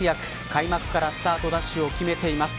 開幕からスタートダッシュを決めています。